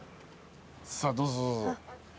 さあどうぞどうぞ。